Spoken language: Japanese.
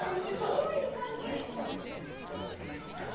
すごいいい感じ。